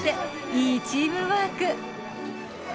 いいチームワーク。